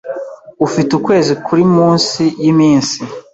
ufite ukwezi kuri munsi y’iminsi